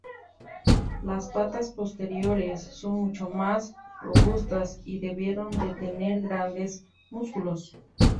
Las patas posteriores son mucho más robustas y debieron de tener grandes músculos.